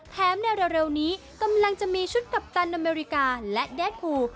ในเร็วนี้กำลังจะมีชุดกัปตันอเมริกาและแด้คูล